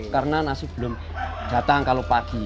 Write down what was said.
karena nasi belum datang kalau pagi